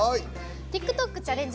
ＴｉｋＴｏｋチャレンジ